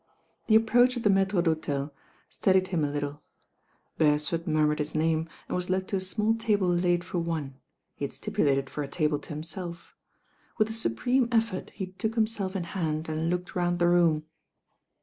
The approach of the mattre d'hotel steadied him « little. Beresford murmured his name and was led to a small table laid for one — ^he had stipulated for a table to himself. With a supreme effort he took himself in hand and looked round the room.